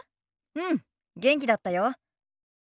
うん元気だったよ。